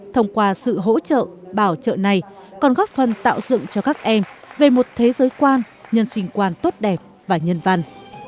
thông qua sự hỗ trợ bảo trợ này còn góp phần tạo dựng cho các em về một thế giới quan nhân sinh quan tốt đẹp và nhân văn